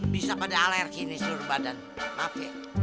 bisa pada alergi nih seluruh badan maaf ya